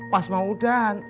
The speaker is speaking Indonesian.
pas mau udahan